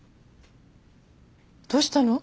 どうしたの？